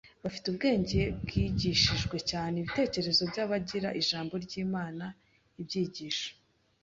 bafite ubwenge bwigishijwe cyane. Ibitekerezo by’abagira Ijambo ry’Imana ibyigisho